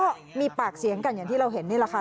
ก็มีปากเสียงกันอย่างที่เราเห็นนี่แหละค่ะ